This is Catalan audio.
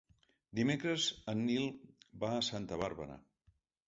Dimecres en Nil va a Santa Bàrbara.